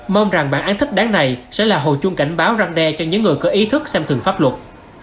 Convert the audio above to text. mong rằng bản án thích đáng này sẽ là hồ chung cảnh báo răng đe cho những người có ý thức xem thường pháp luật